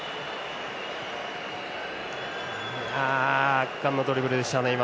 圧巻のドリブルでしたね。